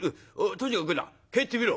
とにかくな帰ってみろ。